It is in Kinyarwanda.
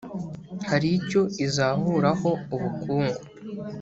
hari icyo izahuraho ubukungu